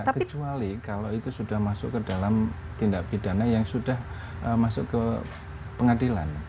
kecuali kalau itu sudah masuk ke dalam tindak pidana yang sudah masuk ke pengadilan